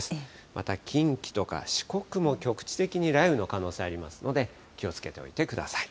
また近畿とか四国も局地的に雷雨の可能性ありますので、気をつけておいてください。